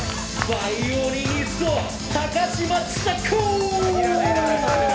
バイオリニスト・高嶋ちさ子！